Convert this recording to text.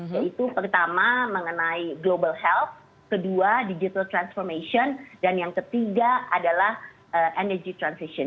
yaitu pertama mengenai global health kedua digital transformation dan yang ketiga adalah energy transition